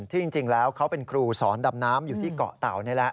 ที่จริงแล้วเขาเป็นครูสอนดำน้ำอยู่ที่เกาะเต่านี่แหละ